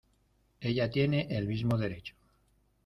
ella tiene el mismo derecho.